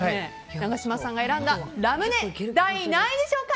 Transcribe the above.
永島さんが選んだラムネ第何位でしょうか。